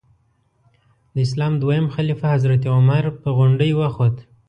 د اسلام دویم خلیفه حضرت عمر په غونډۍ وخوت.